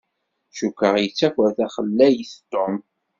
Cukkeɣ yettaker taxlalt Tom.